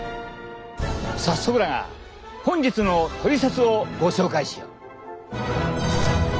早速だが本日のトリセツをご紹介しよう！